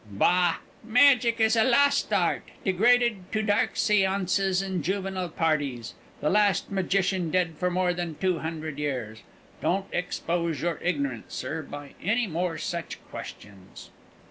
"Bah! Magic is a lost art, degraded to dark séances and juvenile parties the last magician dead for more than two hundred years. Don't expose your ignorance, sir, by any more such questions."